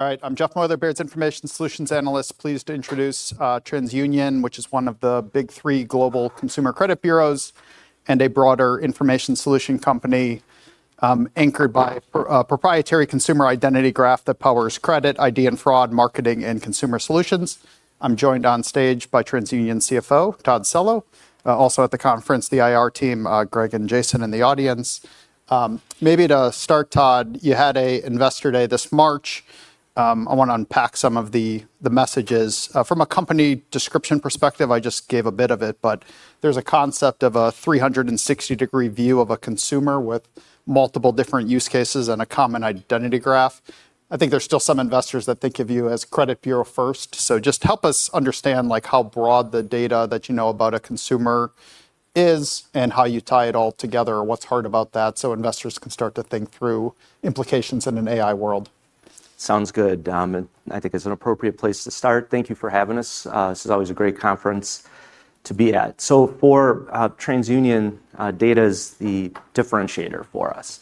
All right. I'm Jeffrey Meuler, Baird's Information Solutions Analyst. Pleased to introduce TransUnion, which is one of the big three global consumer credit bureaus and a broader information solution company anchored by a proprietary consumer identity graph that powers credit, ID and fraud, marketing, and consumer solutions. I'm joined on stage by TransUnion CFO, Todd Cello. Also at the conference, the IR team, Greg and Jason in the audience. Maybe to start, Todd, you had an investor day this March. I want to unpack some of the messages. From a company description perspective, I just gave a bit of it, but there's a concept of a 360-degree view of a consumer with multiple different use cases and a common identity graph. I think there's still some investors that think of you as credit bureau first. Just help us understand how broad the data that you know about a consumer is and how you tie it all together, what's hard about that so investors can start to think through implications in an AI world? Sounds good. I think it's an appropriate place to start. Thank you for having us. This is always a great conference to be at. For TransUnion, data is the differentiator for us.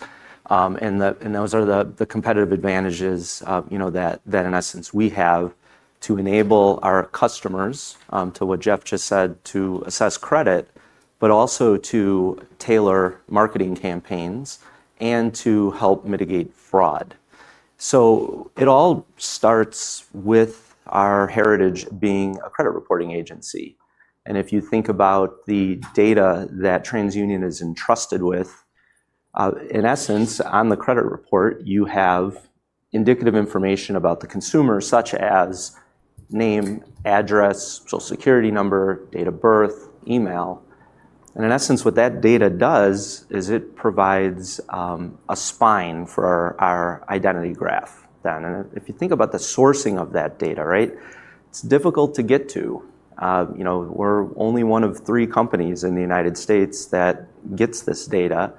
Those are the competitive advantages that in essence, we have to enable our customers, to what Jeff just said, to assess credit, but also to tailor marketing campaigns and to help mitigate fraud. It all starts with our heritage being a credit reporting agency. If you think about the data that TransUnion is entrusted with, in essence, on the credit report, you have indicative information about the consumer, such as name, address, Social Security number, date of birth, email. In essence, what that data does is it provides a spine for our identity graph then. If you think about the sourcing of that data, it's difficult to get to. We're only one of three companies in the U.S. that gets this data.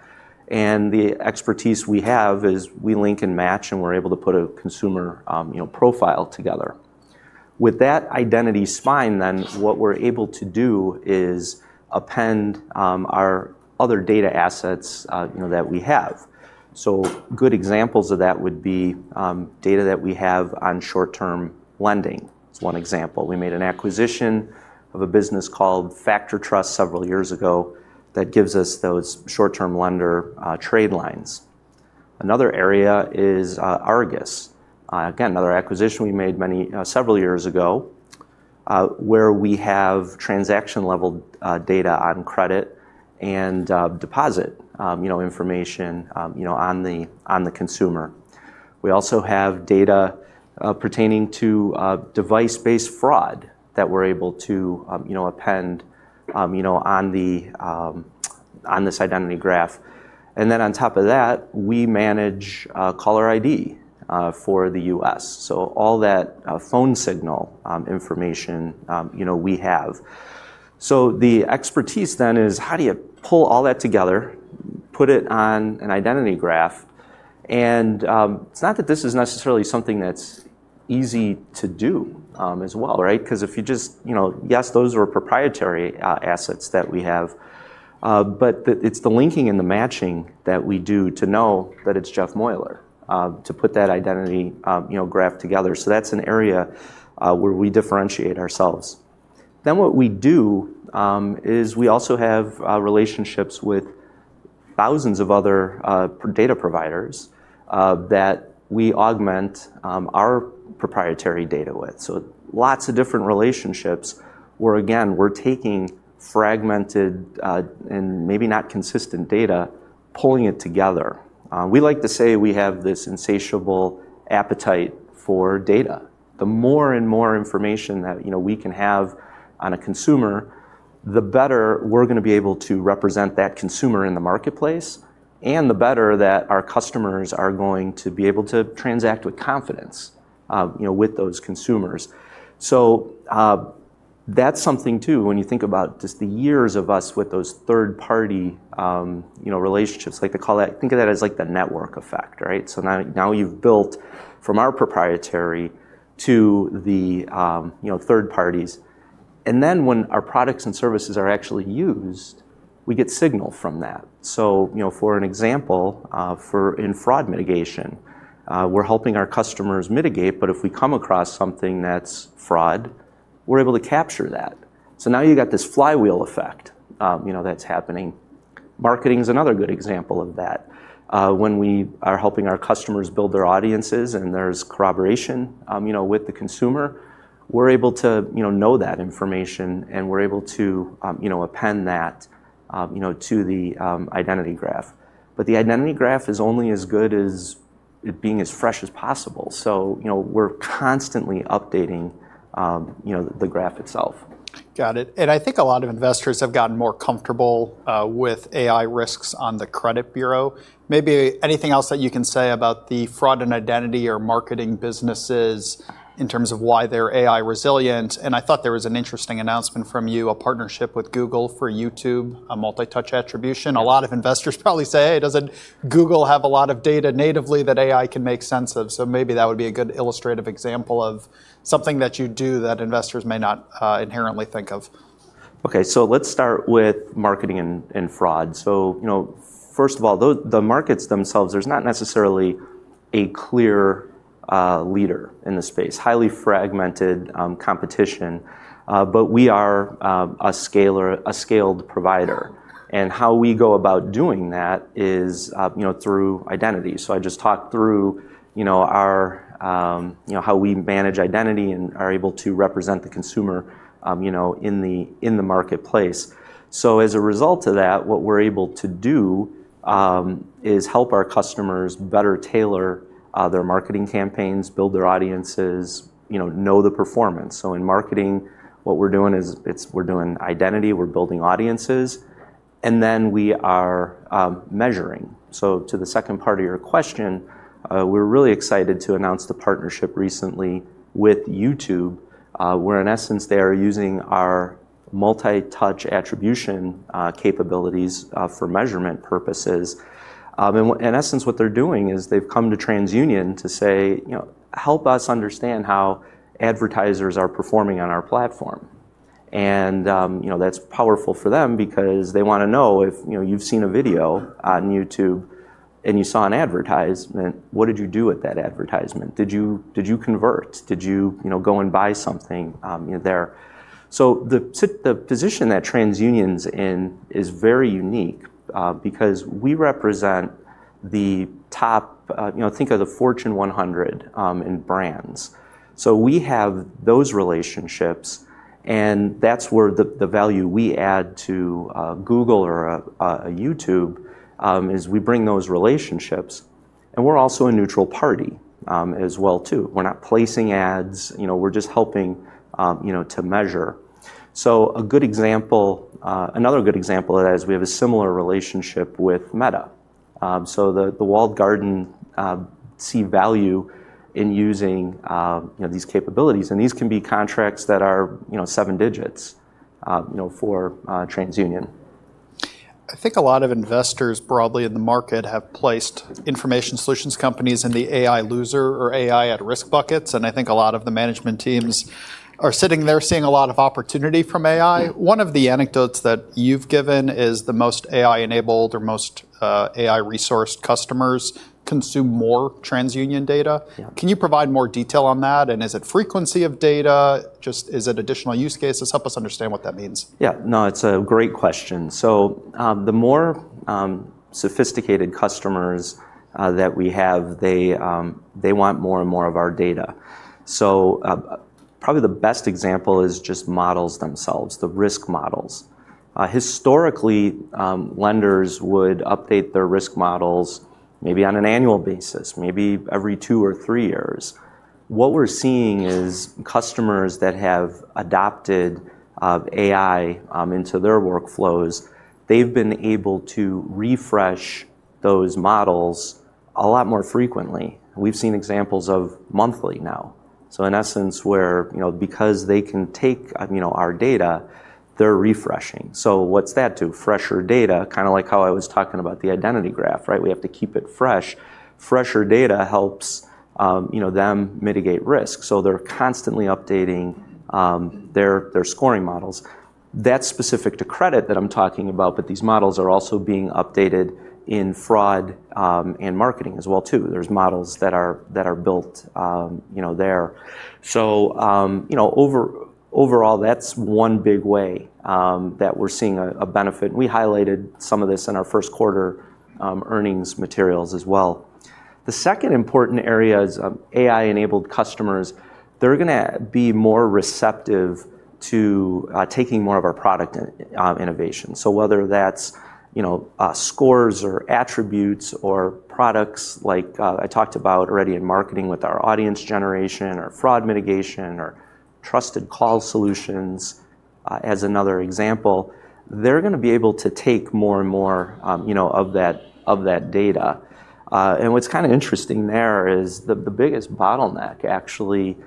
The expertise we have is we link and match, and we're able to put a consumer profile together. With that identity spine then, what we're able to do is append our other data assets that we have. Good examples of that would be data that we have on short-term lending, is one example. We made an acquisition of a business called FactorTrust several years ago that gives us those short-term lender trade lines. Another area is Argus. Again, another acquisition we made several years ago, where we have transaction-level data on credit and deposit information on the consumer. We also have data pertaining to device-based fraud that we're able to append on this identity graph. On top of that, we manage caller ID for the U.S. All that phone signal information we have. The expertise then is how do you pull all that together, put it on an identity graph? It's not that this is necessarily something that's easy to do as well. Yes, those are proprietary assets that we have. It's the linking and the matching that we do to know that it's Jeff Meuler, to put that identity graph together. That's an area where we differentiate ourselves. What we do is we also have relationships with thousands of other data providers that we augment our proprietary data with. Lots of different relationships where again, we're taking fragmented and maybe not consistent data, pulling it together. We like to say we have this insatiable appetite for data. The more and more information that we can have on a consumer, the better we're going to be able to represent that consumer in the marketplace, and the better that our customers are going to be able to transact with confidence with those consumers. That's something too when you think about just the years of us with those third-party relationships. Think of that as the network effect. Now you've built from our proprietary to the third parties. When our products and services are actually used, we get signal from that. For an example, in fraud mitigation, we're helping our customers mitigate, but if we come across something that's fraud, we're able to capture that. Now you've got this flywheel effect that's happening. Marketing is another good example of that. When we are helping our customers build their audiences and there's corroboration with the consumer, we're able to know that information, and we're able to append that to the identity graph. The identity graph is only as good as it being as fresh as possible. We're constantly updating the graph itself. Got it. I think a lot of investors have gotten more comfortable with AI risks on the credit bureau. Maybe anything else that you can say about the fraud and identity or marketing businesses in terms of why they're AI resilient? I thought there was an interesting announcement from you, a partnership with Google for YouTube, a multi-touch attribution. A lot of investors probably say, "Hey, doesn't Google have a lot of data natively that AI can make sense of?" Maybe that would be a good illustrative example of something that you do that investors may not inherently think of. Okay, let's start with marketing and fraud. First of all, the markets themselves, there's not necessarily a clear leader in the space. Highly fragmented competition but we are a scaled provider. How we go about doing that is through identity. I just talked through how we manage identity and are able to represent the consumer in the marketplace. As a result of that, what we're able to do is help our customers better tailor their marketing campaigns, build their audiences, know the performance. In marketing, what we're doing is we're doing identity, we're building audiences, and then we are measuring. To the second part of your question, we're really excited to announce the partnership recently with YouTube, where in essence, they are using our multi-touch attribution capabilities, for measurement purposes. In essence, what they're doing is they've come to TransUnion to say, "Help us understand how advertisers are performing on our platform." That's powerful for them because they want to know if you've seen a video on YouTube and you saw an advertisement, what did you do with that advertisement? Did you convert? Did you go and buy something there? The position that TransUnion's in is very unique, because we represent the top, think of the Fortune 100, in brands. We have those relationships, and that's where the value we add to Google or YouTube, is we bring those relationships. We're also a neutral party as well too. We're not placing ads, we're just helping to measure. Another good example of that is we have a similar relationship with Meta. The walled garden see value in using these capabilities. These can be contracts that are seven digits for TransUnion. I think a lot of investors broadly in the market have placed information solutions companies in the AI loser or AI at risk buckets. I think a lot of the management teams are sitting there seeing a lot of opportunity from AI. One of the anecdotes that you've given is the most AI-enabled or most AI-resourced customers consume more TransUnion data. Yeah. Can you provide more detail on that? Is it frequency of data? Is it additional use cases? Help us understand what that means. Yeah. No, it's a great question. The more sophisticated customers that we have, they want more and more of our data. Probably the best example is just models themselves, the risk models. Historically, lenders would update their risk models maybe on an annual basis, maybe every two or three years. What we're seeing is customers that have adopted AI into their workflows, they've been able to refresh those models a lot more frequently. We've seen examples of monthly now. In essence where because they can take our data, they're refreshing. What's that do? Fresher data, like how I was talking about the identity graph, right? We have to keep it fresh. Fresher data helps them mitigate risk. They're constantly updating their scoring models. That's specific to credit that I'm talking about, but these models are also being updated in fraud and marketing as well too. There's models that are built there. Overall, that's one big way that we're seeing a benefit. We highlighted some of this in our first quarter earnings materials as well. The second important area is AI-enabled customers, they're going to be more receptive to taking more of our product innovation. Whether that's scores or attributes or products like I talked about already in marketing with our audience generation or fraud mitigation or Trusted Call Solutions as another example, they're going to be able to take more and more of that data. What's interesting there is the biggest bottleneck actually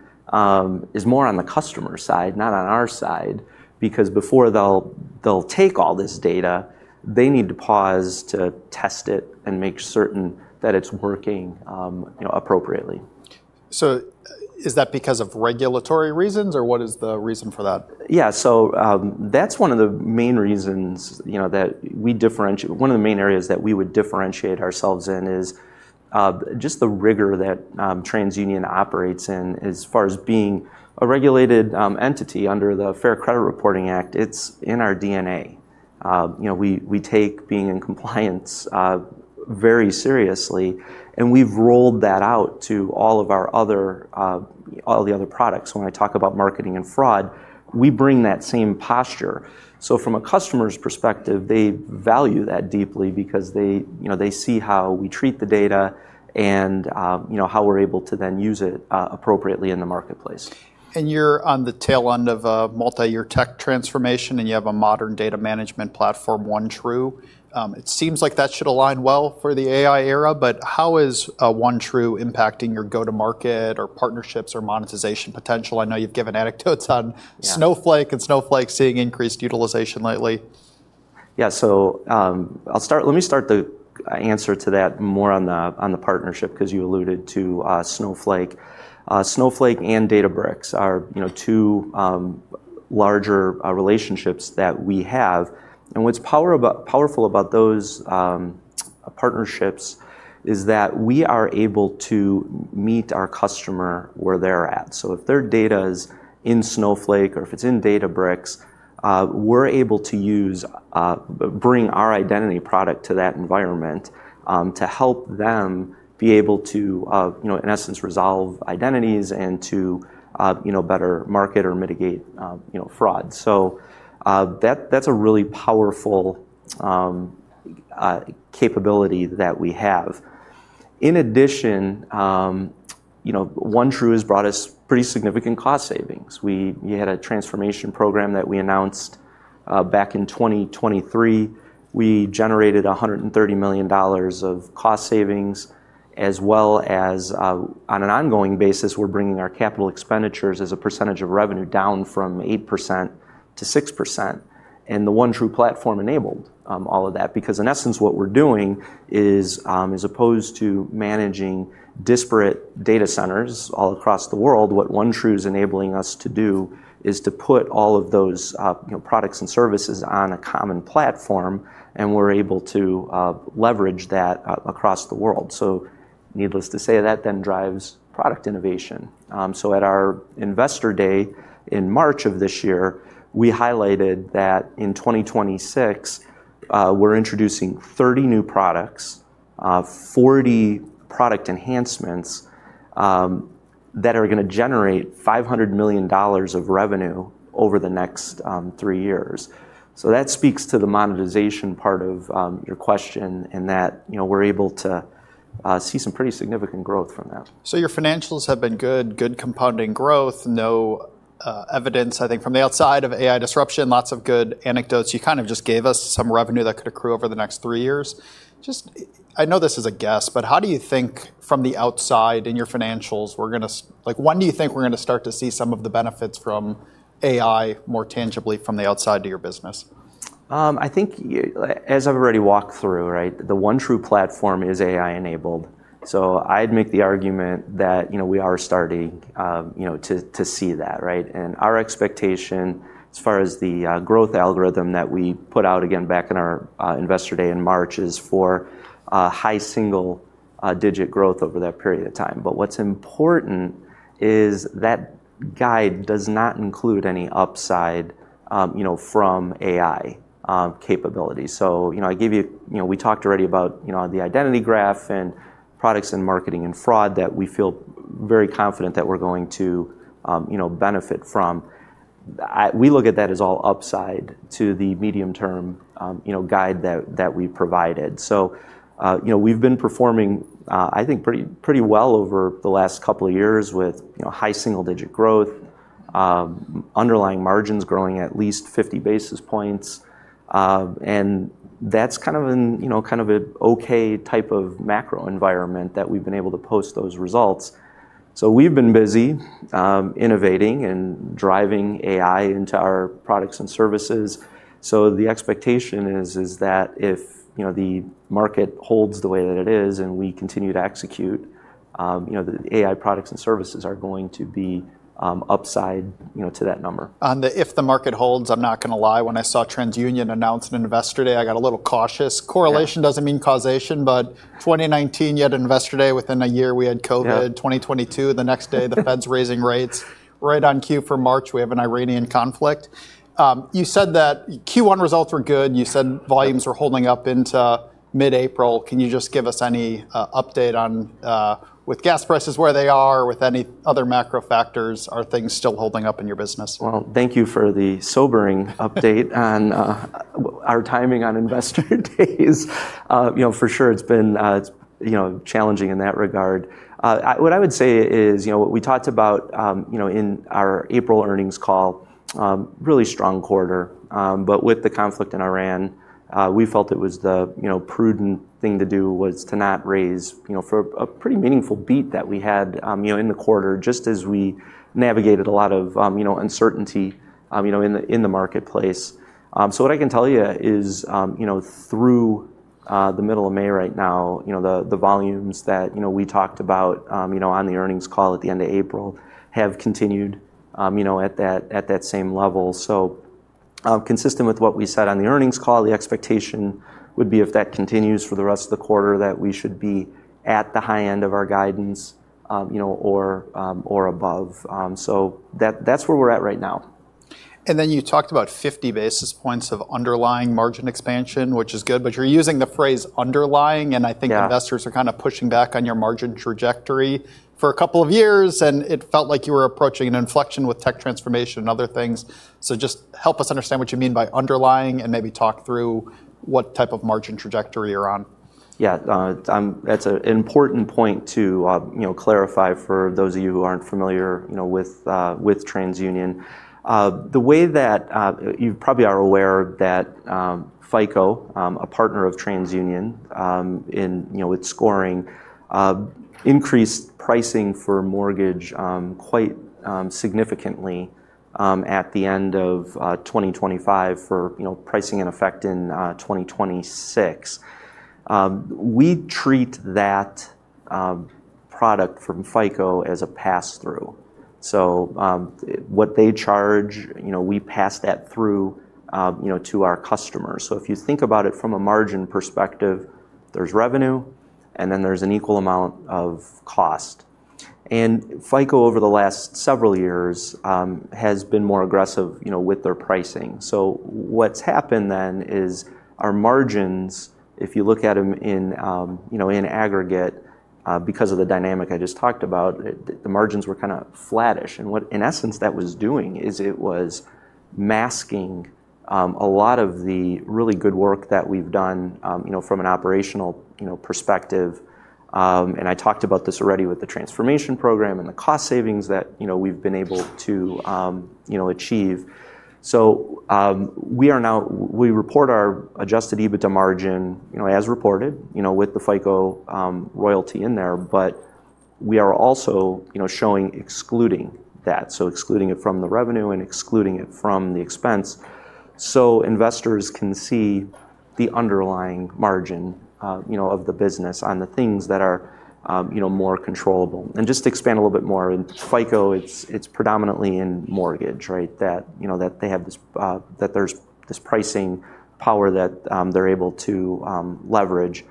is more on the customer side, not on our side, because before they'll take all this data, they need to pause to test it and make certain that it's working appropriately. Is that because of regulatory reasons or what is the reason for that? Yeah, that's one of the main areas that we would differentiate ourselves in is just the rigor that TransUnion operates in as far as being a regulated entity under the Fair Credit Reporting Act. It's in our DNA. We take being in compliance very seriously, and we've rolled that out to all the other products. When I talk about marketing and fraud, we bring that same posture. From a customer's perspective, they value that deeply because they see how we treat the data and how we're able to then use it appropriately in the marketplace. You're on the tail end of a multi-year tech transformation, and you have a modern data management platform, OneTRU. It seems like that should align well for the AI era. How is OneTRU impacting your go-to market or partnerships or monetization potential? I know you've given anecdotes on. Yeah Snowflake and Snowflake seeing increased utilization lately. Yeah. Let me start the answer to that more on the partnership, because you alluded to Snowflake. Snowflake and Databricks are two larger relationships that we have. What's powerful about those partnerships is that we are able to meet our customer where they're at. If their data is in Snowflake or if it's in Databricks, we're able to bring our identity product to that environment to help them be able to, in essence, resolve identities and to better market or mitigate fraud. That's a really powerful capability that we have. In addition, OneTRU has brought us pretty significant cost savings. We had a transformation program that we announced back in 2023. We generated $130 million of cost savings, as well as on an ongoing basis, we're bringing our capital expenditures as a percentage of revenue down from 8% to 6%. The OneTRU platform enabled all of that, because in essence, what we're doing is as opposed to managing disparate data centers all across the world, what OneTRU is enabling us to do is to put all of those products and services on a common platform, and we're able to leverage that across the world. Needless to say, that drives product innovation. At our investor day in March of this year, we highlighted that in 2026, we're introducing 30 new products, 40 product enhancements that are going to generate $500 million of revenue over the next three years. That speaks to the monetization part of your question, in that we're able to see some pretty significant growth from that. Your financials have been good. Good compounding growth. No evidence, I think, from the outside of AI disruption. Lots of good anecdotes. You kind of just gave us some revenue that could accrue over the next three years. I know this is a guess, how do you think from the outside in your financials, when do you think we're going to start to see some of the benefits from AI more tangibly from the outside to your business? I think as I've already walked through, the OneTRu platform is AI-enabled. I'd make the argument that we are starting to see that. Our expectation as far as the growth algorithm that we put out again back in our investor day in March is for high single-digit growth over that period of time. What's important is that guide does not include any upside from AI capabilities. We talked already about the identity graph and products and marketing and fraud that we feel very confident that we're going to benefit from. We look at that as all upside to the medium-term guide that we provided. We've been performing I think pretty well over the last couple of years with high single-digit growth, underlying margins growing at least 50 basis points. That's kind of an okay type of macro environment that we've been able to post those results. We've been busy innovating and driving AI into our products and services. The expectation is that if the market holds the way that it is and we continue to execute, the AI products and services are going to be upside to that number. On the if the market holds, I'm not going to lie, when I saw TransUnion announce an investor day, I got a little cautious. Yeah. Correlation doesn't mean causation, but 2019 you had an investor day within a year we had COVID. Yeah. 2022 the next day the Fed's raising rates. Right on cue for March we have an Iranian conflict. You said that Q1 results were good. You said volumes were holding up into mid-April. Can you just give us any update on with gas prices where they are, with any other macro factors, are things still holding up in your business? Well, thank you for the sobering update on our timing on investor days. For sure it's been challenging in that regard. What I would say is we talked about in our April earnings call really strong quarter. With the conflict in Iran, we felt it was the prudent thing to do was to not raise for a pretty meaningful beat that we had in the quarter just as we navigated a lot of uncertainty in the marketplace. What I can tell you is through the middle of May right now the volumes that we talked about on the earnings call at the end of April have continued at that same level. Consistent with what we said on the earnings call, the expectation would be if that continues for the rest of the quarter that we should be at the high end of our guidance or above. That's where we're at right now. You talked about 50 basis points of underlying margin expansion, which is good, but you're using the phrase underlying and I think. Yeah investors are pushing back on your margin trajectory for a couple of years. It felt like you were approaching an inflection with tech transformation and other things. Just help us understand what you mean by underlying and maybe talk through what type of margin trajectory you're on. That's an important point to clarify for those of you who aren't familiar with TransUnion. You probably are aware that FICO, a partner of TransUnion in its scoring, increased pricing for mortgage quite significantly at the end of 2025 for pricing in effect in 2026. We treat that product from FICO as a passthrough. What they charge, we pass that through to our customers. If you think about it from a margin perspective, there's revenue, there's an equal amount of cost. FICO, over the last several years, has been more aggressive with their pricing. What's happened is our margins, if you look at them in aggregate, because of the dynamic I just talked about, the margins were kind of flattish. What, in essence, that was doing is it was masking a lot of the really good work that we've done from an operational perspective. I talked about this already with the transformation program and the cost savings that we've been able to achieve. We report our adjusted EBITDA margin as reported with the FICO royalty in there, but we are also showing excluding that, so excluding it from the revenue and excluding it from the expense so investors can see the underlying margin of the business on the things that are more controllable. Just to expand a little bit more, in FICO, it's predominantly in mortgage that there's this pricing power that they're able to leverage.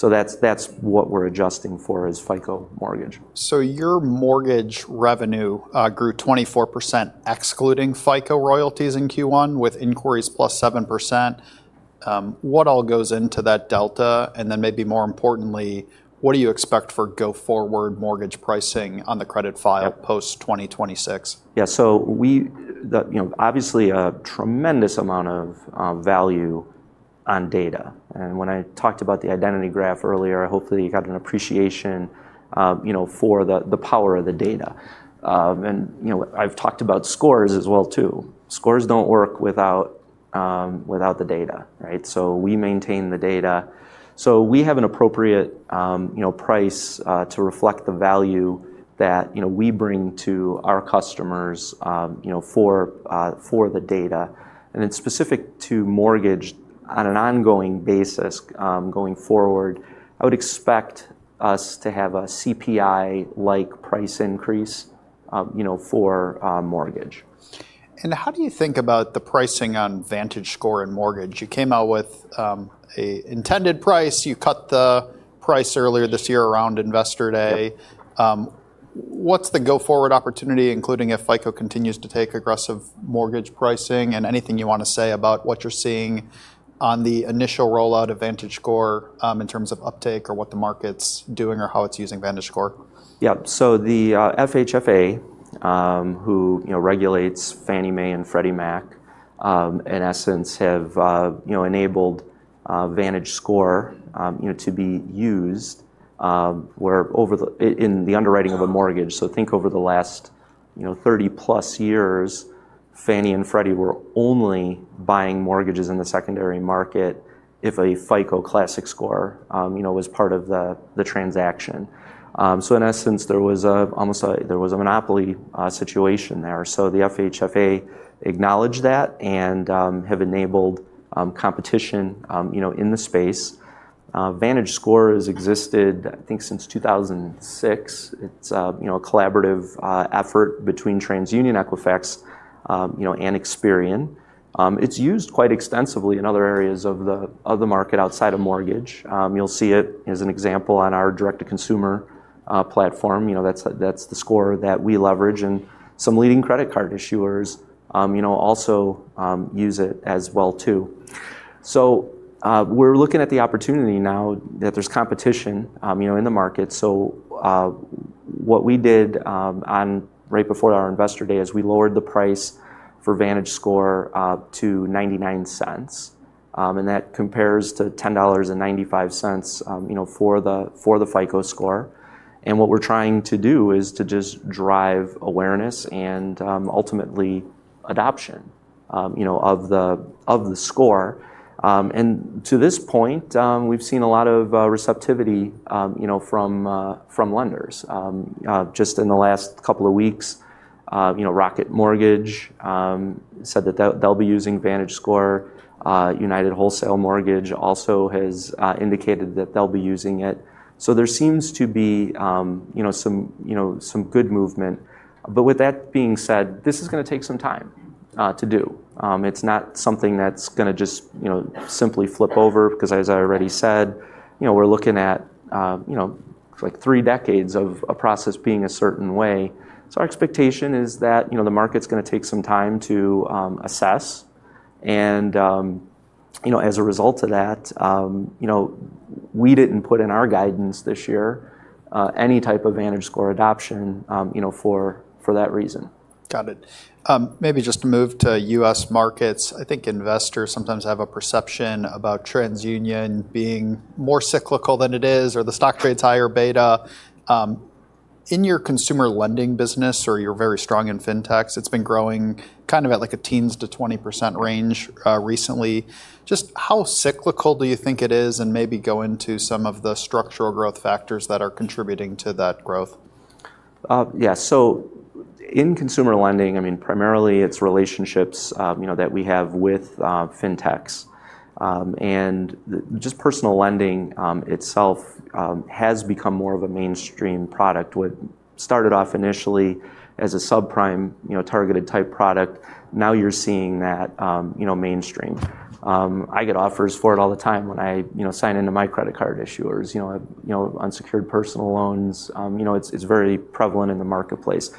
That's what we're adjusting for is FICO mortgage. Your mortgage revenue grew 24%, excluding FICO royalties in Q1, with inquiries plus 7%. What all goes into that delta? And then maybe more importantly, what do you expect for go-forward mortgage pricing on the credit file post-2026? Yeah. Obviously, a tremendous amount of value on data. When I talked about the identity graph earlier, hopefully you got an appreciation for the power of the data. I've talked about scores as well, too. Scores don't work without the data, right? We maintain the data. We have an appropriate price to reflect the value that we bring to our customers for the data. Specific to mortgage on an ongoing basis going forward, I would expect us to have a CPI-like price increase for mortgage. How do you think about the pricing on VantageScore and mortgage? You came out with an intended price. You cut the price earlier this year around Investor Day. Yep. What's the go-forward opportunity, including if FICO continues to take aggressive mortgage pricing? Anything you want to say about what you're seeing on the initial rollout of VantageScore in terms of uptake or what the market's doing or how it's using VantageScore? Yeah. The FHFA, who regulates Fannie Mae and Freddie Mac, in essence, have enabled VantageScore to be used in the underwriting of a mortgage. Think over the last 30-plus years, Fannie and Freddie were only buying mortgages in the secondary market if a Classic FICO score was part of the transaction. In essence, there was a monopoly situation there. The FHFA acknowledged that and have enabled competition in the space. VantageScore has existed, I think, since 2006. It's a collaborative effort between TransUnion Equifax and Experian. It's used quite extensively in other areas of the market outside of mortgage. You'll see it as an example on our direct-to-consumer platform. That's the score that we leverage, and some leading credit card issuers also use it as well, too. We're looking at the opportunity now that there's competition in the market. What we did right before our Investor Day is we lowered the price for VantageScore to $0.99. That compares to $10.95 for the FICO score. What we're trying to do is to just drive awareness and ultimately adoption of the score. To this point, we've seen a lot of receptivity from lenders. Just in the last couple of weeks, Rocket Mortgage said that they'll be using VantageScore. United Wholesale Mortgage also has indicated that they'll be using it. There seems to be some good movement. With that being said, this is going to take some time to do. It's not something that's going to just simply flip over because as I already said, we're looking at three decades of a process being a certain way. Our expectation is that the market's going to take some time to assess, and as a result of that, we didn't put in our guidance this year any type of VantageScore adoption for that reason. Got it. Maybe just to move to U.S. markets, I think investors sometimes have a perception about TransUnion being more cyclical than it is, or the stock trades higher beta. In your consumer lending business, or you're very strong in fintechs, it's been growing at a teens to 20% range recently. Just how cyclical do you think it is? Maybe go into some of the structural growth factors that are contributing to that growth? In consumer lending, primarily it's relationships that we have with Fintechs. Just personal lending itself has become more of a mainstream product. What started off initially as a subprime targeted type product, now you're seeing that mainstream. I get offers for it all the time when I sign into my credit card issuers, unsecured personal loans. It's very prevalent in the marketplace.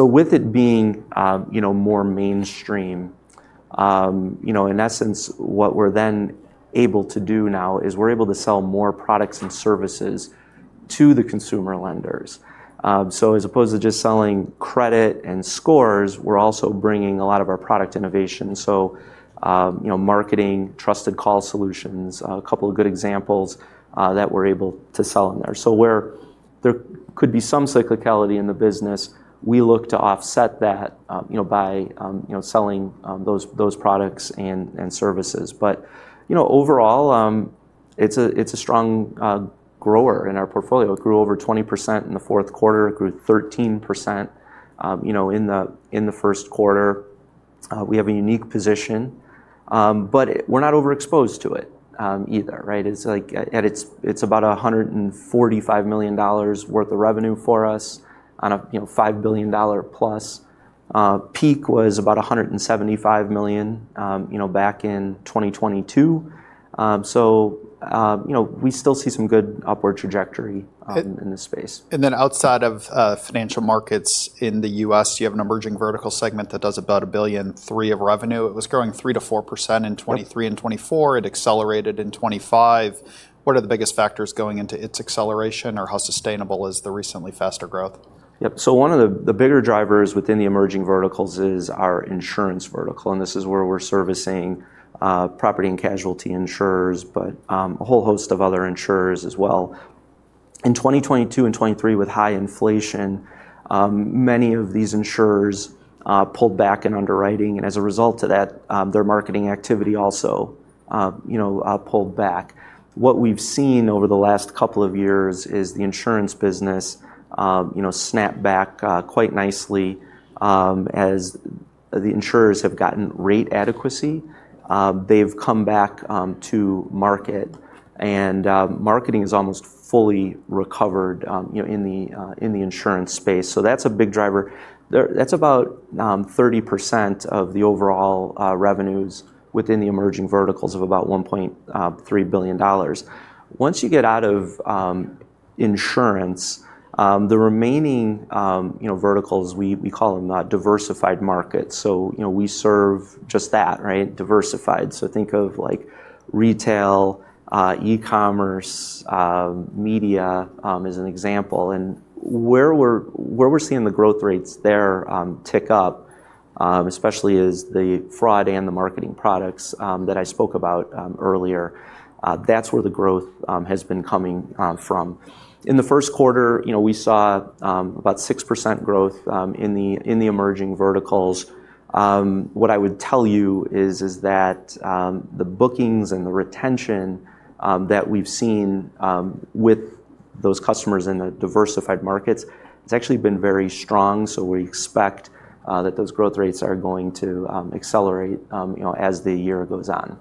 With it being more mainstream, in essence, what we're then able to do now is we're able to sell more products and services to the consumer lenders. As opposed to just selling credit and scores, we're also bringing a lot of our product innovation. Marketing, Trusted Call Solutions, a couple of good examples that we're able to sell in there. Where there could be some cyclicality in the business, we look to offset that by selling those products and services. Overall, it's a strong grower in our portfolio. It grew over 20% in the fourth quarter. It grew 13% in the first quarter. We have a unique position. We're not overexposed to it either, right? It's about $145 million worth of revenue for us on a $5 billion plus. Peak was about $175 million back in 2022. We still see some good upward trajectory in this space. Outside of financial markets in the U.S., you have an emerging vertical segment that does about $1.3 billion of revenue. It was growing 3% to 4% in 2023 and 2024. It accelerated in 2025. What are the biggest factors going into its acceleration, or how sustainable is the recently faster growth? Yep. One of the bigger drivers within the emerging verticals is our insurance vertical, and this is where we're servicing property and casualty insurers, but a whole host of other insurers as well. In 2022 and 2023, with high inflation, many of these insurers pulled back in underwriting, and as a result of that, their marketing activity also pulled back. What we've seen over the last couple of years is the insurance business snap back quite nicely. As the insurers have gotten rate adequacy, they've come back to market, and marketing is almost fully recovered in the insurance space. That's a big driver. That's about 30% of the overall revenues within the emerging verticals of about $1.3 billion. Once you get out of insurance, the remaining verticals, we call them diversified markets. We serve just that, right? Diversified. Think of retail, e-commerce, media as an example. Where we're seeing the growth rates there tick up, especially is the fraud and the marketing products that I spoke about earlier. That's where the growth has been coming from. In the first quarter, we saw about 6% growth in the emerging verticals. What I would tell you is that the bookings and the retention that we've seen with those customers in the diversified markets, it's actually been very strong. We expect that those growth rates are going to accelerate as the year goes on.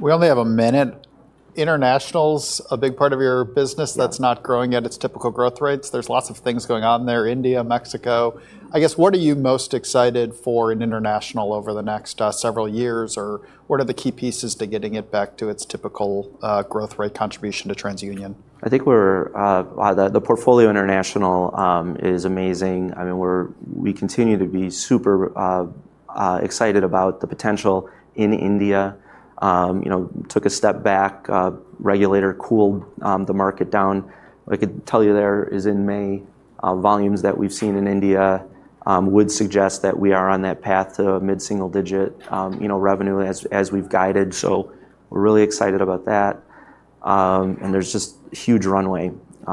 We only have a minute. International's a big part of your business that's not growing at its typical growth rates. There's lots of things going on there, India, Mexico. I guess, what are you most excited for in international over the next several years, or what are the key pieces to getting it back to its typical growth rate contribution to TransUnion? I think the portfolio international is amazing. We continue to be super excited about the potential in India. Took a step back. Regulator cooled the market down. I could tell you there is in May, volumes that we've seen in India would suggest that we are on that path to mid-single-digit revenue as we've guided. We're really excited about that. There's just huge runway.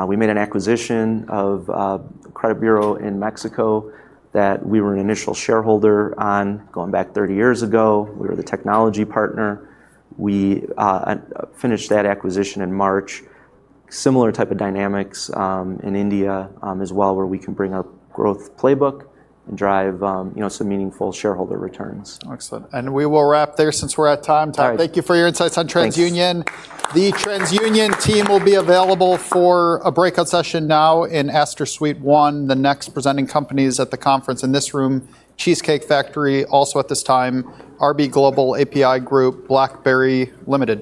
We made an acquisition of a credit bureau in Mexico that we were an initial shareholder on going back 30 years ago. We were the technology partner. We finished that acquisition in March. Similar type of dynamics in India as well, where we can bring our growth playbook and drive some meaningful shareholder returns. Excellent. We will wrap there since we're at time. All right. Todd, thank you for your insights on TransUnion. Thanks. The TransUnion team will be available for a breakout session now in Astor Suite 1. The next presenting companies at the conference in this room, Cheesecake Factory, also at this time, RB Global, APi Group, BlackBerry Limited.